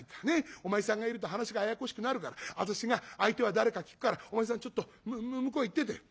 お前さんがいると話がややこしくなるから私が相手は誰か聞くからお前さんちょっと向こう行ってて」。